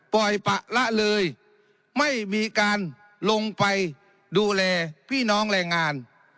ปล่อยปะละเลยไม่มีการลงไปดูแลพี่น้องแรงงาน